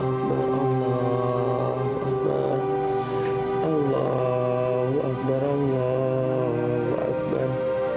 allah akbar allah akbar allah akbar allah akbar